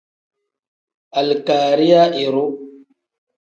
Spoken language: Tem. Alikariya iru.